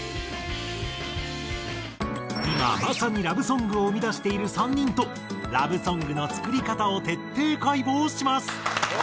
今まさにラブソングを生み出している３人とラブソングの作り方を徹底解剖します。